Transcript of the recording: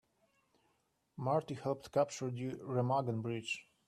Marty helped capture the Remagen Bridge.